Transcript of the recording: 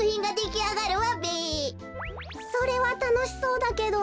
それはたのしそうだけど。